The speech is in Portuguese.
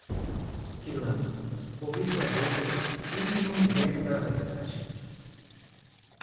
Que lama, ouvido de agosto, entre no inverno da verdade.